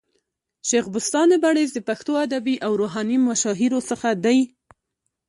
شېخ بُستان بړیڅ د پښتو ادبي او روحاني مشاهيرو څخه دئ.